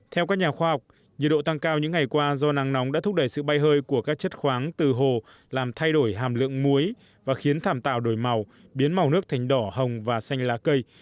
theo các nhà khoa học nhiệt độ tăng cao những ngày qua do nắng nóng đã thúc đẩy sự bay hơi của các chất khoáng từ hồ làm thay đổi hàm lượng muối và khiến thảm tạo đổi màu biến màu nước thành đỏ hồng và xanh lá cây